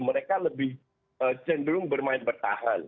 mereka lebih cenderung bermain bertahan